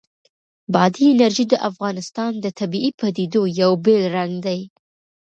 بادي انرژي د افغانستان د طبیعي پدیدو یو بېل رنګ دی.